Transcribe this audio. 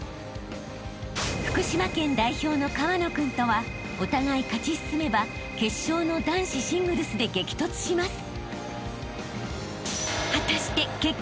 ［福島県代表の川野君とはお互い勝ち進めば決勝の男子シングルスで激突します］